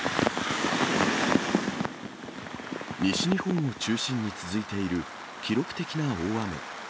西日本を中心に続いている記録的な大雨。